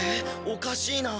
おかしいな。